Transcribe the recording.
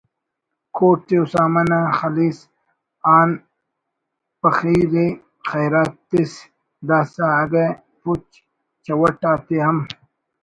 کوٹ ءِ اسامہ نا خلیس آن پخیرءِ خیرات تس داسہ اگہ پچ چوٹ آتے ہم